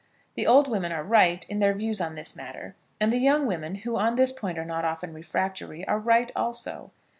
The old women are right in their views on this matter; and the young women, who on this point are not often refractory, are right also.